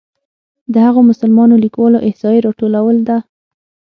د هغو مسلمانو لیکوالو احصایې راټولول ده.